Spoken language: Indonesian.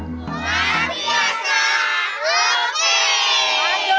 luar biasa oh dipegang